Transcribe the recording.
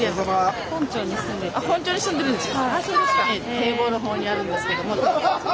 堤防の方にあるんですけども。